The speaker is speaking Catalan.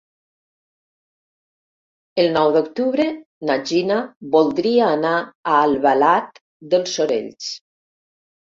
El nou d'octubre na Gina voldria anar a Albalat dels Sorells.